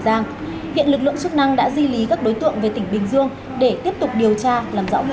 giang hiện lực lượng chức năng đã di lý các đối tượng về tỉnh bình dương để tiếp tục điều tra làm rõ việc